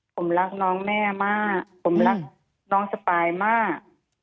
ผมรักน้องแม่มากผมรักน้องสปายมาก